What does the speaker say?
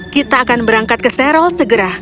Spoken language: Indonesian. kita akan berangkat ke serol segera